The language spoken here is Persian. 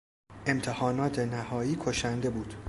امتحانات نهایی کشنده بود.